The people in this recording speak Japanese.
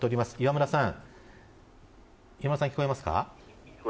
磐村さん、聞こえますか。